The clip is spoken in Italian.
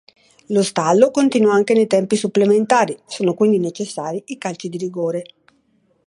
Lo stallo continua anche nei tempi supplementari, sono quindi necessari i calci di rigore.